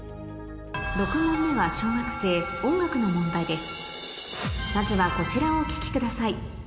６問目は小学生音楽の問題です